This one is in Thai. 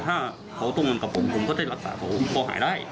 ถ้าเขาต้องทำกับผมผมก็ได้รักษาเขาพอหายได้